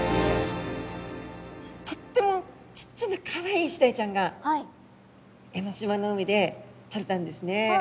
とってもちっちゃなかわいいイシダイちゃんが江の島の海でとれたんですね。